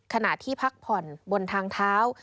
ขณะที่พักผ่อนบนทางเท้า